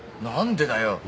何でだよ。